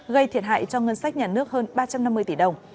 gây thiệt hại cho ngân sách nhà nước hơn ba trăm năm mươi tỷ đồng